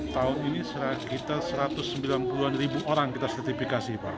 tahun ini kita satu ratus sembilan puluh an ribu orang kita sertifikasi pak